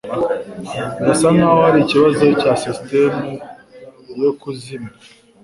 Birasa nkaho hari ikibazo cya sisitemu yo kuzimya.